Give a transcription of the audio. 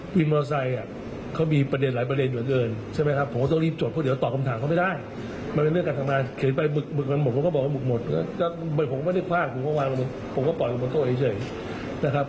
ผมก็ปล่อยลงไปบนโต๊ะเองเฉยนะครับ